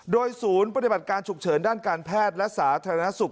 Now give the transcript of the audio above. โดยศูนย์ปฏิบัติการฉุกเฉินด้านการแพทย์และสาธารณสุข